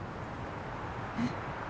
えっ？